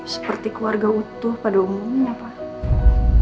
seperti keluarga utuh pada umumnya pak